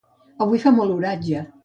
Avui fa molt bon oratge.